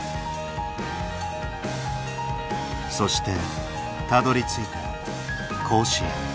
そしてたどりついた甲子園。